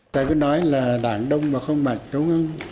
tại vì nói là đảng đông mà không mạnh đúng không